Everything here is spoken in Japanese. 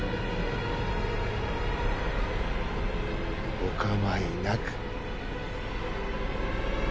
お構いなく。